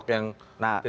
tidak pernah menganggap itu